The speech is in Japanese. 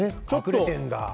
隠れてるんだ。